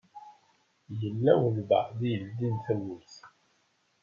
Yella walebɛaḍ i yeldin tawwurt.